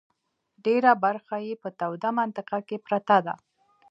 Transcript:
ډېره برخه یې په توده منطقه کې پرته ده.